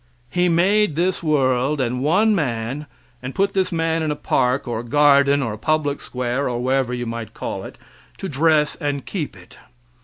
He made this world and one man, and put this man in a park, or garden, or public square, or whatever you might call it, to dress and keep it.